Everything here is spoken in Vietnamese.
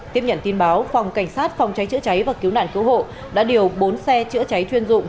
tiếp nhận tin báo phòng cảnh sát phòng cháy chữa cháy và cứu nạn cứu hộ đã điều bốn xe chữa cháy chuyên dụng